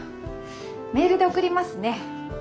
メールで送りますね。